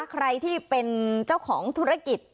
ใครที่เป็นเจ้าของธุรกิจ